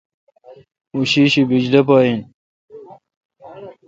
او شیشی بجلی پا این۔